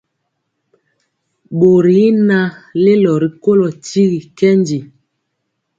Bori y naŋ lelo rikolo tyigi nkɛndi.